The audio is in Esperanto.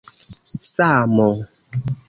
samo